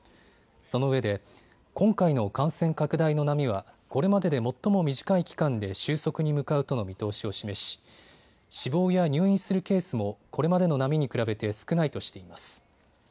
そのうえで今回の感染拡大の波はこれまでで最も短い期間で収束に向かうとの見通しを示し死亡や入院するケースもこれまでの波に比べて少ないとしています。